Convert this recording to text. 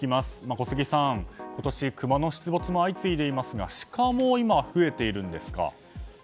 小杉さん、今年クマの出没も相次いでいますがシカも今、増えているんですか？